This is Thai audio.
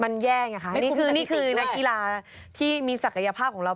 มันแย่ไงคะนี่คือนี่คือนักกีฬาที่มีศักยภาพของเรา